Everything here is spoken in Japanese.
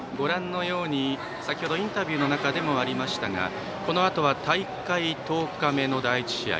先程インタビューの中でもありましたがこのあとは大会１０日目の第１試合